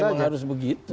memang harus begitu